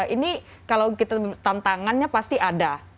ini kalau kita tantangannya pasti ada